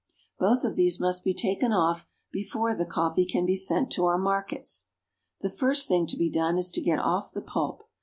Both of these must be taken off before the coffee can be sent to our markets. The first thing to be done is to get off the pulp.